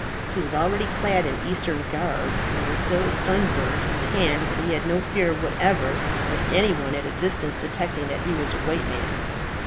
He was already clad in Eastern garb, and was so sun burnt and tanned that he had no fear whatever of any one at a distance detecting that he was a white man.